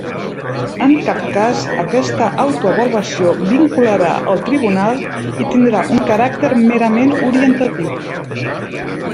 En cap cas aquesta autoavaluació vincularà el tribunal, i tindrà un caràcter merament orientatiu.